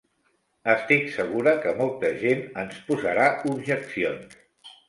Estic segura que molta gent ens posarà objeccions.